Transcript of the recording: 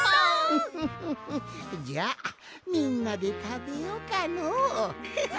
フフフじゃあみんなでたべようかの。わ！